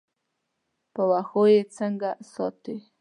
په واښو یې څنګه ساتې.